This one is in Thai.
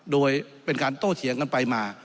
โดยเป็นการโต้เถียงกันไปมา